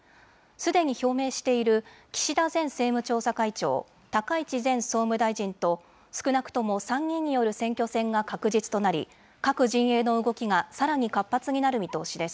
すでに表明している岸田前政務調査会長、高市前総務大臣と、少なくとも３人による選挙戦が確実となり、各陣営の動きがさらに活発になる見通しです。